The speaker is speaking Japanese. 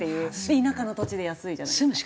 で田舎の土地で安いじゃないですか。